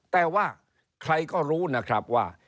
แต่ว่าใครก็รู้นะครับว่า